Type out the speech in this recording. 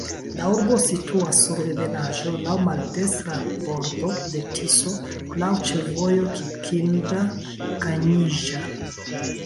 La urbo situas sur ebenaĵo, laŭ maldekstra bordo de Tiso, laŭ ĉefvojo Kikinda-Kanjiĵa.